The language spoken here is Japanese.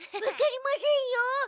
分かりませんよ。